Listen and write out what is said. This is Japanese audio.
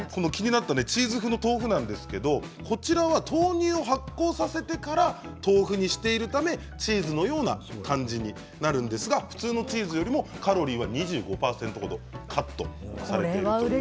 チーズ風の豆腐なんですが豆乳を発酵させてから豆腐にしているため、チーズのような感じになるんですが普通のチーズよりもカロリーはこれは、うれしいですね。